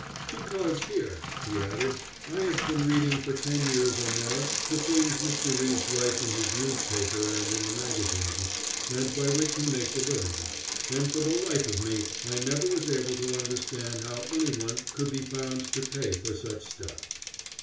"Because here," he added, "I have been reading for ten years or more the things Mr. Riis writes in his newspaper and in the magazines, and by which he makes a living, and for the life of me I never was able to understand how any one could be found to pay for such stuff."